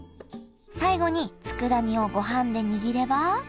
最後につくだ煮をごはんで握れば。